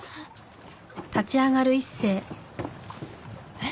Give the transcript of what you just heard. えっ？